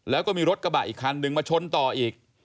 แล้วก็มีรถกระบะอีกคันหนึ่งมาชนต่ออีก